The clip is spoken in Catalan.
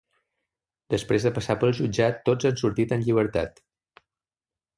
Després de passar pel jutjat, tots han sortit en llibertat.